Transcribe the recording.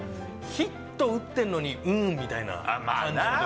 ヒット打ってるのに、うーんみたいな感じの。